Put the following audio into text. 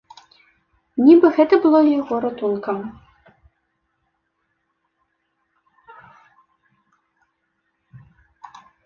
Нібы гэта было яго ратункам.